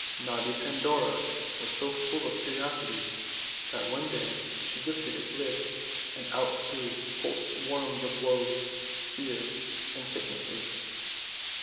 Naughty Pandora was so full of curios ity that one day she lifted its lid, and out flew whole swarms of Woes, Fears, and Sicknesses.